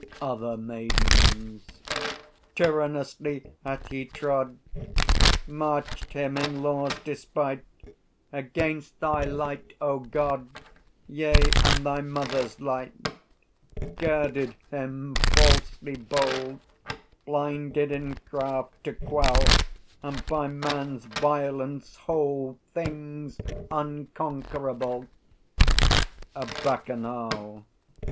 Other Maidens. Tyrannously hath he trod; Marched him, in Law's despite, Against thy Light, O God, Yea, and thy Mother's Light; Girded him, falsely bold, Blinded in craft, to quell And by man's violence hold Things unconquerable. _A Bacchanal.